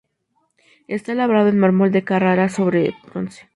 Está labrado en mármol de Carrara sobre bronce.